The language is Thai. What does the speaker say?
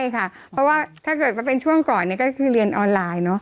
เพราะว่าถ้าเป็นช่วงก่อน๒๐๑๗ก็คือเรียนออนไลน์